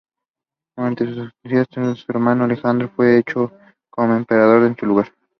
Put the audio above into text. Durante su ausencia de Trebisonda, su hermano Alejandro fue hecho coemperador en su lugar.